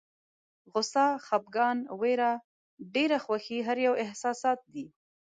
غوسه، خپګان، ویره، ډېره خوښي هر یو احساسات دي.